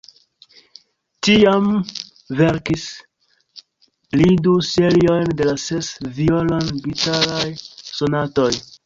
Tiam verkis li du seriojn de la ses violon-gitaraj sonatoj.